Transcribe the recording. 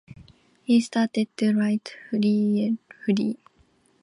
He started to write briefly.